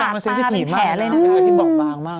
มันต่างออกมาเป็นแถนเลยนะ